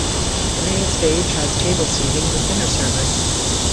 The main stage has table seating with dinner service.